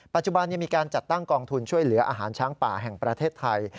ปัจจุบันยังมีการจัดตั้งกองทุนช่วยเหลืออาหารช้างป่าแห่งประเทศไทย